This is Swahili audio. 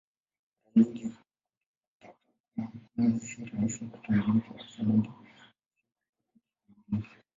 Mara nyingi kupatwa kwa Mwezi si rahisi kutambulika kwa sababu si kupatwa kikamilifu.